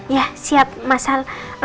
ya siap mas sal